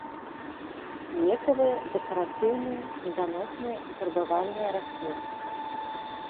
Лекавыя, дэкаратыўныя, меданосныя і фарбавальныя расліны.